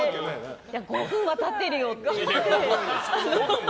５分は立ってるよって言って。